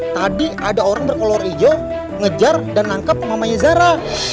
tadi ada orang berkolor hijau ngejar dan nangkep mamanya zara